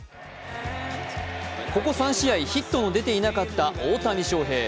ここ３試合、ヒットの出ていなかった大谷翔平。